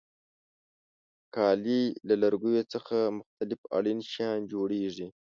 کالي له لرګیو څخه مختلف اړین شیان جوړیږي.